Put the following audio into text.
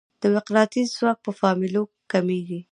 د مقناطیس ځواک په فاصلې کمېږي.